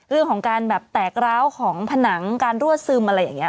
เรื่องของการแบบแตกร้าวของผนังการรั่วซึมอะไรอย่างนี้